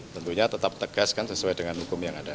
tentunya tetap tegas kan sesuai dengan hukum yang ada